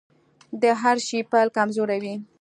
د هر شي پيل کمزوری وي .